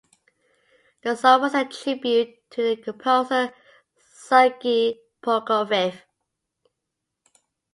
The song was a tribute to the composer Sergei Prokofiev.